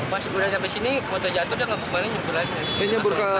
pas sudah sampai sini motornya jatuh dia ngemburkan ke kalisuntar